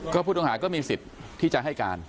ก็ผู้ต้องหาก็มีสิทธิ์ที่จะให้การ